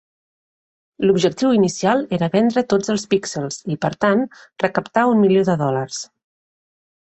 L'objectiu inicial era vendre tots els píxels i, per tant, recaptar un milió de dòlars.